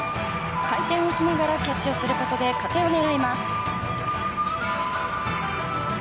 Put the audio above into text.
回転をしながらキャッチをすることで加点を狙います。